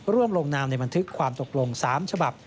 ลงนามในบันทึกความตกลง๓ฉบับ